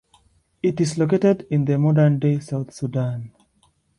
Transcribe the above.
It is located in the modern day South Sudan.